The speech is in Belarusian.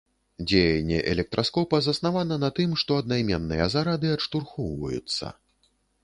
Дзеянне электраскопа заснавана на тым, што аднайменныя зарады адштурхоўваюцца.